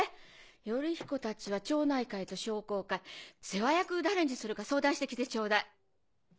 頼彦たちは町内会と商工会世話役誰にするか相談して来てちょうだい。